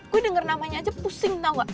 gue denger namanya aja pusing tau gak